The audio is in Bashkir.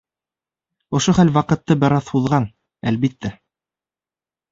Ошо хәл ваҡытты бер аҙ һуҙған, әлбиттә.